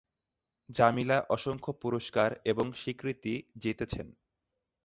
জামিলা অসংখ্য পুরস্কার এবং স্বীকৃতি জিতেছেন।